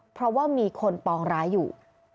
เพราะว่ามีคนปองร้ายอยู่